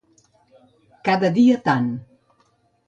Cada dia tant.